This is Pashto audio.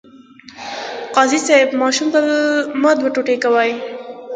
قاضي صیب ماشوم مه دوه ټوټې کوئ.